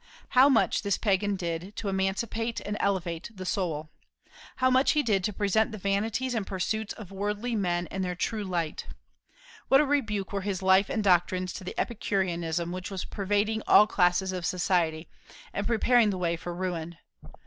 How much this pagan did to emancipate and elevate the soul! How much he did to present the vanities and pursuits of worldly men in their true light! What a rebuke were his life and doctrines to the Epicureanism which was pervading all classes of society, and preparing the way for ruin!